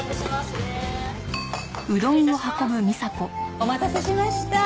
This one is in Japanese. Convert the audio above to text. お待たせしました。